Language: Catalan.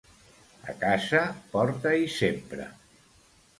A casa, porta-hi sempre.